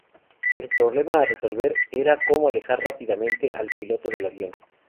El problema a resolver era cómo alejar rápidamente al piloto del avión.